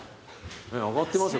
・上がってます